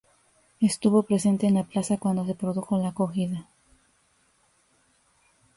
Estuvo presente en la plaza cuando se produjo la cogida.